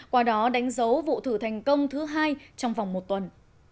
qua đó đánh dấu vụ thử thành công thứ hai trong vòng một tuần